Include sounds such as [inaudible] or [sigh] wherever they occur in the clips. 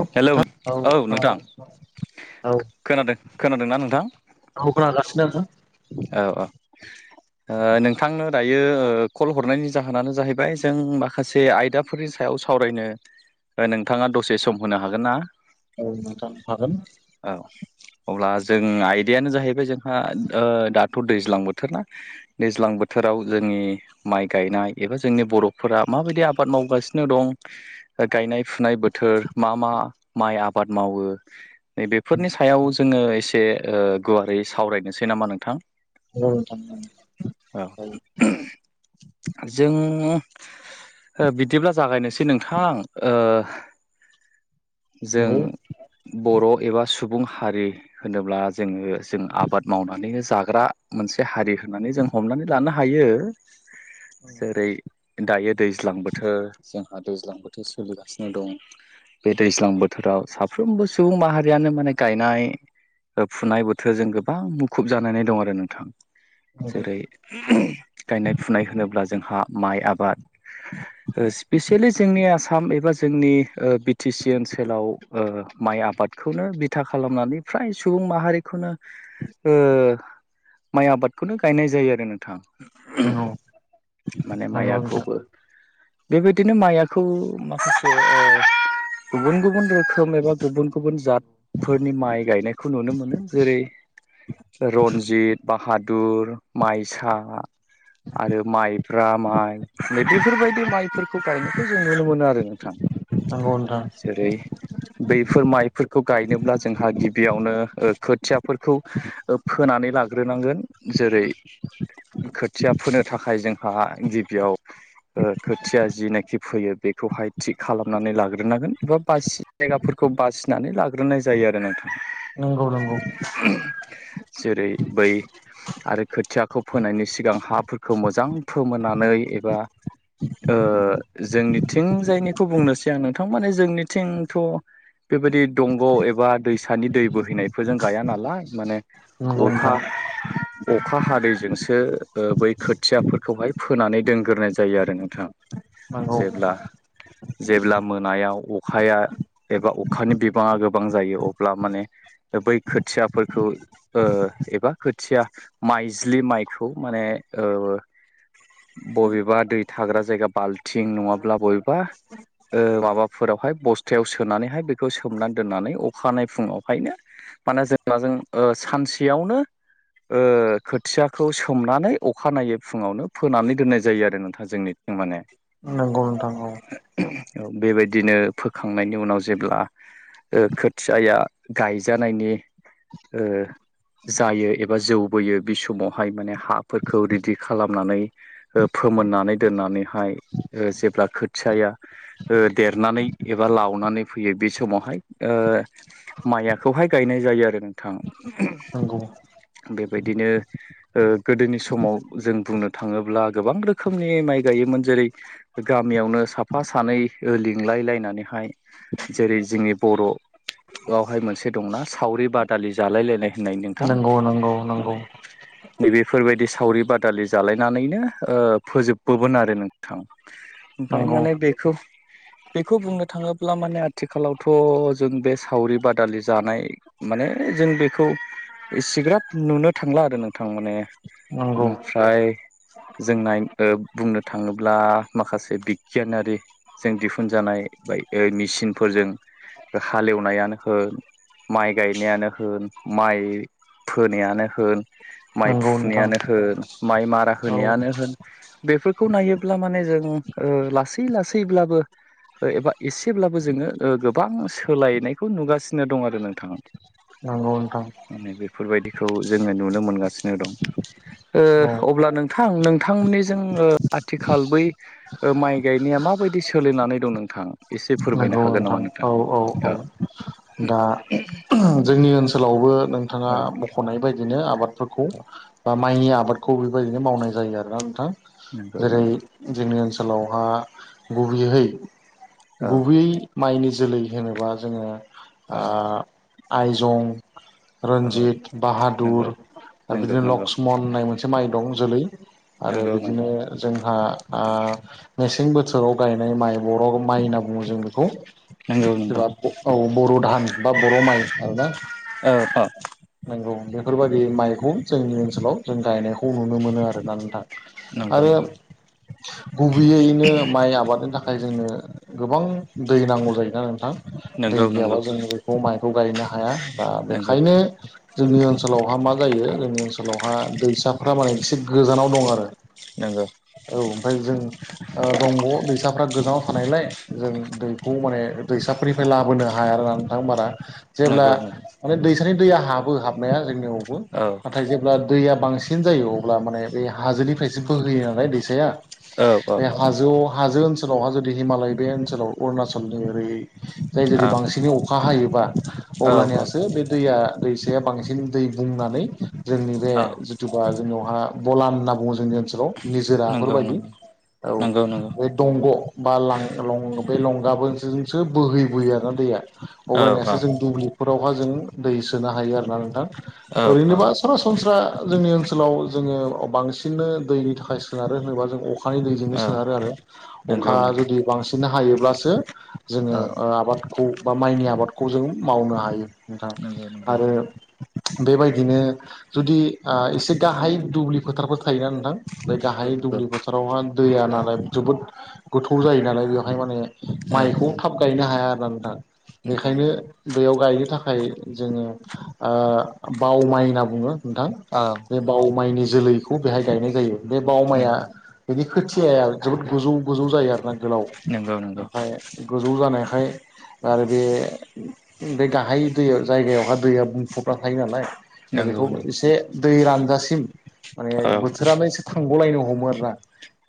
औ हेलौ नोंथां औ नोंथां खोनादों खोनादों खोनादोंना नोंथां अ खोनागासिनो औ औ ओ नोंथांनो ओ दायो कल हरनायनि जाहोनानो जाहैबाय जों माखासे आयदा फोरनि सायाव सावरायनो नोंथाङा दसे सम होनो हागोन ना औ नोंथां हागोन औ अब्ला जों आयदायानो जाहैबाय जोंहा ओ दाथ' दैज्लां बोथोर ना दैज्लां बोथोराव जोंनि माइ गायनाय एबा जोंनि बर'फोरा माबायदि आबाद मावगासिनो दं गायनाय फुनाय बोथोर मा मा माइ आबाद मावो बेफोरनि सायाव जोङो एसे ओ गुवारै सावरायनोसै नामा नोंथां नंगौ नोंथां औ [unintelligible] जों बिदिब्ला जागायनोसै नोंथां ओ जों बर' एबा सुबुं हारि होनोब्ला जोङो जों आबाद मावनानै नो जाग्रा मोनसे हारि माने जों हमनानै लानो हायो जेरै दायो दैज्लां बोथोर जोंहा दैज्लां बोथोर सोलिगासिनो दं बे दैज्लां बोथोराव साफ्रोमबो सुबुं माहारियानो माने गायनाय फुनाय बोथोरजों गोबां मुखुब जानानै दं आरो नोंथां जेरै गायनाय फुनाय होनोब्ला जोंहा माइ आबाद [inaudible] स्पिसियेलि जोंनि आसाम एबा जोंनि ओ बि टि सि ओनसोलाव ओ माइ आबाद खौनो बिथा खालामनानै फ्राय सुबुं माहारिखौनो ओ माइ आबादखौनो गायनाय जायो आरो नोंथां नोंगौ माने मायाखौबो बेबायदिनो मायाखौ माखासे ओ गुबुन गुबुन रोखोम एबा गुबुन गुबुन जात फोरनि माइ गायनायखौ नुनो मोनो जेरै रन्जित बाहादुर माइसा आरो माइब्रा माइ बेफोरबायदि माइफोरखौ गायनायखौ जों नुनो मोनो आरो नोंथां नंगौ नोंथां जेरै बैफोर माइफोरखौ गायनोब्ला जोंहा गिबियावनो खोथियाफोरखौ फोनानै लाग्रोनांगोन जेरै खोथिया फोनो थाखाय जोंहा गिबियाव खोथिया जिनाखि फैयो बेखौहाय थिग खालामनानै लाग्रोनांगोन एबा बासि जायगाफोरखौ बासिनानै लाग्रोनाय जायो आरो नोंथां नंगौ नंगौ जेरै बै आरो खोथियाखौ फोनायनि सिगां हा फोरखौ मोजां फोमोननानै एबा ओ जोंनि थिंजायनिखौ बुंनोसै आं नोंथां माने जोंनिथिंथ बेबायदि दंग एबा दैसानि दै बोहैनाय बेफोरजों गाया नालाय माने नंगौ अखा नोंथां अखा हादैजोंसो बै खोथियाफोरखौहाय फोनानै दोनग्रोनाय जायो आरो नोंथाङा नंगौ जेब्ला जेब्ला मोनायाव अखाया एबा अखानि बिबाङा गोबां जायो अब्ला माने बै खोथियाफोरखौ ओ एबा खोथिया माइज्लि माइखौ माने ओ बबेबा दै थाग्रा जायगा बाल्थिं नङाब्ला बबेबा ओ माबाफोरावहाय बस्थायाव सोनानैहाय बेखौ सोमनानै दोननानै अखानायै फुङावहायनो माने जेनबा जों ओ सानसेयावनो ओ खोथियाखौ सोमनानै अखानायनायै फुङावनो फोनानै दोननाय जायो आरो नोंथां जोंनिथिं माने नंगौ नोंथां औ बेबायदिनो फोखांनायनि उनाव जेब्ला खोथियाया गायजानायनि ओ जायो एबा जौबोयो बे समावहाय माने हाफोरखौ रेडि खालामनानै फोमोननानै दोननानैहाय जेब्ला खोथियाया ओ देरनानै एबा लावनानै फैयो बे समावहाय ओ मायाखौहाय गायनाय जायो आरो नोंथां नंगौ बेबायदिनो ओ गोदोनि समाव जों बुंनो थाङोब्ला गोबां रोखोमनि माइ गायोमोन जेरै गामियावनो साफा सानै लिंलाय लायनानैहाय जेरै जोंनि बर'आवहाय मोनसे दंना सावरि बादालि जालायलायनाय होननाय नोंथां नंगौ नंगौ माने नोंथां नै बेफोरबायदि सावरि बादालि जालायनानैनो फोजोबोमोन आरो नोंथां नंगौ नोंथां ओमफाय औ नंगौ नंगौ माने बेखौ बेखौ बुंनो थाङोब्ला माने आथिखालावथ जों बे सावरि बादालि जानाय माने जों बेखौ इसेग्राब नुनो थांला आरो नोंथां माने नंगौ फ्राय जोंनाय बुंनो थाङोब्ला माखासे बिगियानारि जों दिहुनजानाय बाय मेसिनफोरजों हालेवनायानो होन माइ गायनायानो होन माइ फोनायानो होन माइ नंगौ नोंथां फुनायानो होन माइ मारा औ होनायानो होन बेफोरखौ नायोब्ला माने जों ओ लासै लासैब्लाबो एबा एसेब्लाबो जोङो ओ गोबां सोलायनायखौ नुगासिनो दं आरो नोंथाङा औ माने बेफोरबायदिखौ जोङो नुनो मोनगासिनो दं औ ओ अब्ला नोंथां नोंथांमोननिजों आथिखाल बै माइ गायनाया माबायदि सोलिनानै दं नोंथां एसे फोरमायनो नंगौ हागोन नोंथां नामा औ नोंथाङा औ दा जोंनि ओनसोलावबो नों थाङा नोंथां मख'नाय बायदिनो आबादफोरखौ औ बा माइनि आबादखौ बेबायदिनो मावनाय जायो आरोना नोंथां नंगौ जेरै नंगौ जोंनि ओनसोलावहा गुबैयहै औ गुबै माइनि जोलै होनोबा जोङो औ ओ आइजं औ रन्जित, नंगौ बाहादुर आरो नंगौ बिदिनो लक्ष्मन होननाय मोनसे माइ दं जोलै आरो नंगौ नंगौ बिदिनो जोंहा आ मेसें बोथोराव गायनाय माइ बर' माइ होनना बुङो जों बेखौ नोंगौ नोंगौ जेनेबा औ बर' धान बा बर' माइ आरोना औ औ नोंगौ बेफोरबायदि माइखौ जोंनि ओनसोलाव जों गायनायखौ नुनो मोनो आरोना नोंथां नंगौ आरो गुबैयैनो माइ आबादनि थाखाय जोंनो गोबां दै नांगौ जायोना नोंथां दै नंगौ नंगौ गैयाबा जों बेखौ माइखौ गायनो हा हाया दा नंगौ बेखायनो जोंनि ओनसोलावहा मा जायो जोंनि ओनसोलावहा दैसाफ्रा माने एसे गोजानाव दं आरो नोंगौ औ ओमफाय जों ओ दंग' दैसाफ्रा गोजानाव थानायलाय जों दै खौ माने दैसाफोरनिफ्राय ला लाबोनो हाया आरो ना नोंथां बारा जेब्ला नंगौ माने दैसानि दैया हाबो हाबनाया जोंनियाव बो औ नाथाय जेब्ला दैया बांसिन जायो अब्ला माने बे हाजोनिफ्रायसो बोहोयो नालाय दैसाया औ औ बे हाजोआव हाजो ओनसोलावहा जुदि हिमालय बे ओनसोलाव अरुणाचलनि ओरै जाय जेरै औ बांसिनै अखा हायोबा औ औ अब्लानियासो बे दैया दैसाया बांसिन दै बुंनानै जोंनि बे औ जेथुबा जोंनियावहा बलान होनना बुङो जोंनि ओनसोलाव निजोरा नंगौ फोरबायदि नंगौ औ नंगौ नंगौ बे दंग' बा लां लं बे लंगाबोजोंसो बोहैबोयो आरोना दैया औ औ अब्लानियासो जों दुब्लिफोरावहा जों दै सोनो हायो आरोना नोंथां औ औ ओरैनोबा सरासनस्रा जोंनि ओनसोलाव जोङो बांसिननो दैनि थाखाय सोनारो होनोबा जों अखा अखानि दैजोंनो औ सोनारो आरो अखा नंगौ नंगौ जुदि बांसिन हायोब्लासो जोङो औ ओ आबादखौ बा माइनि आबादखौ जों मावनो हायो नोंथां नंगौ नंगौ आरो बेबायदिनो जुदि ओ एसे गाहाय दुब्लि फोथारफोर थायोना नोंथां बे नंगौ गाहाय नंगौ दुब्लि बोथोरावहाय दैया औ नालाय औ जोबोद गोथौ जायो नालाय बेवहाय माने माइखौ औ थाब गायनो हाया आरो नोंथां नंगौ बेखायनो नंगौ बेयाव गायनो थाखाय जोङो ओ बाव माइ होनना बुङो नोंथां औ बे बावा माइनि जोलैखौ बेहाय गायनाय जायो बे बावा माइआ नंगौ बेनि खोथियाया जोबोद गोजौ गोजौ जायो आरो ना गोलाव नंगौ नंगौ ओमफ्राय ज' जानायखाय आरो बे गाहाय दै जायगायावहाय दैया बुंफबना थायो नालाय नंगौ बेखौ नंगौ एसे दै रानजासिम माने औ बोथोरानो एसे थांग'लायनो हमो आरोना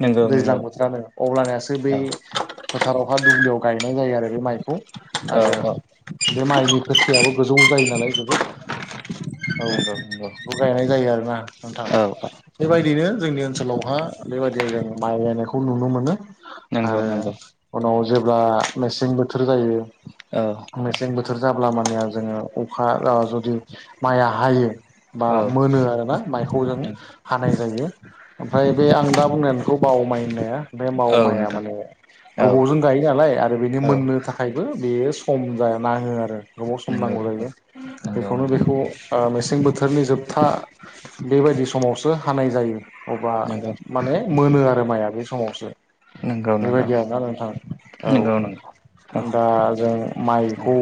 नंगौ दैज्लां नंगौ बोथोरानो अब्लनियासो बै औ फोथारावहा दुब्लियाव गायनाय जायो आरो बे माइखौ औ आरो औ बे माइनि खोथियाबो गोजौ जायो नालाय जोबोद औ नंगौ नंगौ बेखौ गायनाय जायो आरोना नोंथां औ औ बेबायदिनो जोंनि ओनसोलावहा बेबायदिनो जों माइ गायनायखौ नुनो मोनो नंगौ आरो नंगौ उनाव जेब्ला मेसें बोथोर जायो औ मेसें बोथोर जाब्ला माने जोङो अखा जुदि माया हायो बा औ मोनो आरो ना माइखौ जों हानाय जायो ओमफ्राय बे आं दा बुंनायखौ बाव माइ होननाया बे बाव औ माया नोंथां माने औ गोबावजों गायो नालाय आरो बेनि औ मोननो थाखायबो बेयो सम जा नाडो़ आरो गोबाव सम नंगौ नांगौ जायो नंगौ बेखौनो नंगौ बेखौ मेसें बोथोर बोथोरनि जोबथा बेबायदि समावसो हानाय जायो। अबा माने मोनो आरो माया बे समावसो नंगौ नंगौ बेबायदि आरोना नोंथां। औ नंगौ नोंथां दा जों माइखौ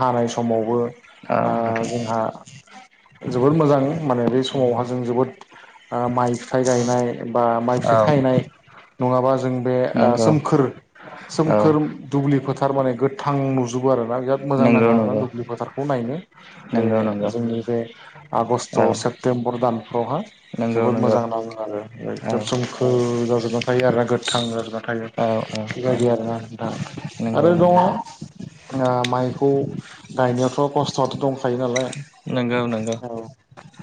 हानाय समावबो ओ औ नोंथां जोंहा जोबोद मोजां माने बे नंगौ समावहा जों जोबोद माइ फिथाइ गायनाय बा माइ फिथाइ औ थायनाय नङाबा जों बे नंगौ सोमखोर औ सोमखोर दुब्लि फोथार माने गोथां नुजोबो आरोना बिराद मोजां नाङो नंगौ आरो ना नंगौ दुब्लि फोथारखौ नायनो। बे नंगौ नंगौ जोंनि बे आगष्ट' औ सेप्तेम्बर सेप्तेम्बर दानफ्रावहाय नंगौ जोबोर नंगौ मोजां नाङो आरो एकदम औ सम सोमखोर जाजोबना थायो आरो गोथां जाजोबना थायो। औ औ औ बेबायदि आरोना नोंथां नंगौ आरो दङ। नंगौ ओ माइखौ गायनायावथ' खस्थ'आथ' दं। थायो नालाय नंगौ नंगौ औ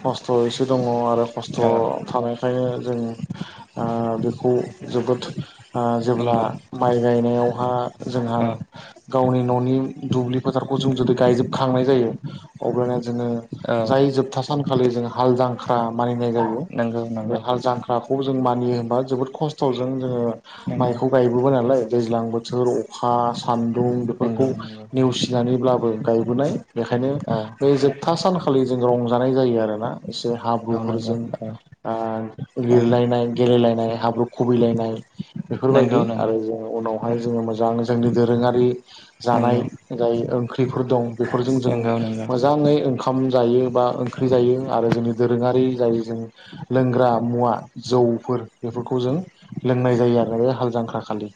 खस्थ' एसे दङ आरो खस्थ' औ थानाय ओंखायनो जों ओ बेखौ जोबोद ओ जेब्ला नंगौ माइ गायनायावहा जोंहा औ गावनि न'नि दुब्लि फोथारखौ जों जुदि गायजोबखांनाय जायो अब्लाना जोंङो जाय जोबथा सानखालि जों हाल जांख्रा मानिनाय जायो नंगौ बे नंगौ हाल जांखा फ्राखौ जों मानियो होनबा जोबोद खस्थ'जों जोङो नंगौ माइखौ गायबोबाय नालाय दैज्लां बोथोर अखा सान्दुं नंगौ बेफोरखौ नंगौ नेवसिनानैब्लाबो गायबोनाय बेखायनो औ बे जोब था सानखालि जों रंजानाय जायो आरोना। एसे औ नंगौ हाब्रुफोरजों औ औ लिरलायनाय गेलेलायनाय हाब्रु खुबैलायनाय बेफोरबायदि नंगौ नंगौ आरो उनावहाय जोंङो मोजां जोंनि दोरोङारि जानाय नंगौ जाय ओंख्रिफोर दं। बेफोरजों जों नंगौ नंगौ मोजाङै ओंखार ओंखाम जायो बा ओंख्रि जायो आरो जोंनि दोरोङारि जाय जों लोंग्रा मुवा जौफोर बेफोरखौ जों लोंनाय जायो आरो बे हाल जांख्रा खालि खालि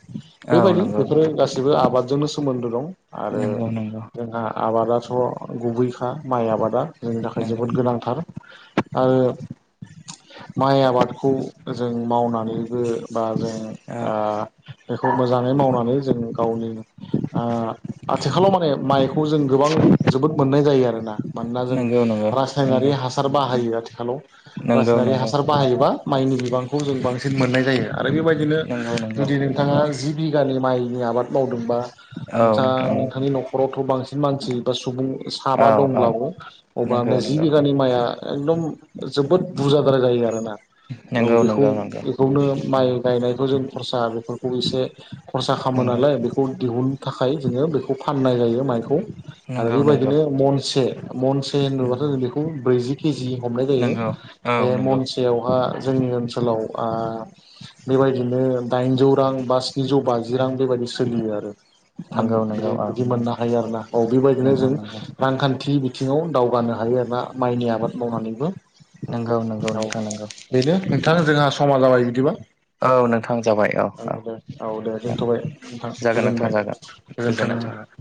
औ बेबायदि नंगौ बेफोरो गाससिबो आबादजोंनो सोमोन्दो दं आरो नंगौ जोंहा आबादाथ' गुबैखा माइ आबादा जोंनि नंगौ थाखाय जोबोद नंगौ गोनांथार। आरो माइ आबादखौ जों मावनानैबो बा जों औ ओ बेखौ मोजाङै मावनानै जों गावनिनो ओ आथिखालाव माने माइखौ जों गोबां जोबोद मोननाय जायो आरोना। हमना जों नंगौ नंगौ नंगौ रासायनिक हासार बाहायो आथिखालाव नंगौ नंगौ रासायनारि हासार बाहायोबा माइनि बिबांखौ जों बांसिन मोननाय जायो आरो बेबायदिनो नंगौ नंगौ नोंथांङा जि बिगानि माइनि आबाद मावदोंबा ओ नोंथां नोंथांनि न'खरावथ' बांसिन मानसि बा सुबुं साबा औ औ दंब्लाबो अब नंगौ मे जि नंगौ बिगानि माइआ एकदम जोबोद बुरजादारा जायो आरो ना। औ नंगौ नंगौ बेखौ नंगौ बेखौनो माइ नंगौ गायनाय जों खरसा बेफोरखौ एसे खरसा खालामो नालाय बेखौ दिहुन थाखाय जोङो बेखौ फाननाय जायो माइखौ। आरो नंगौ नंगौ बेबायदिनो महनसे महनसे औ होनोबाथ' जों बेखौ ब्रैजि केजि हमनाय जायो। नंगौ नंगौ बे नंगौ औ मनसेयावहा जोंनि ओनसोलाव बेबायदिनो दाइनजौ रां बा स्निजौ बाजि रां बेबायदि सोलियो आरो। फान नंगौ बे बिदि मोननो हायो आरो ना औ बेबायदिनो जों रांखान्थि बि बिथिङाव दावगानो हायो एबा माइनि आबाद मावनानैबो नंगौ नंगौ नोंथां नोंगौ। बेनो नोंथां जोंहा समा जाबाय बिदिबा। औ नोंथां। नोंथां जाबाय औ औ दे औ दे औ दोनथ'बाय नोंथां जागोन गोजोनबाय नोंथां जागोन गोजोननाय गोजोन्थों थाबाय।